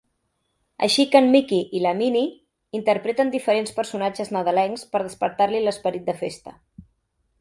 Així que en Mickey i la Minnie interpreten diferents personatges nadalencs per despertar-li l'esperit de festa.